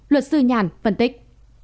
luật sư nhàn phân tích